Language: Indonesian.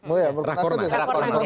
oh ya bekernasnya desember